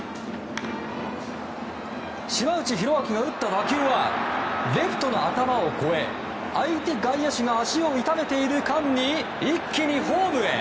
島内宏明が打った打球はレフトの頭を越え相手外野手が足を痛めている間に一気にホームへ。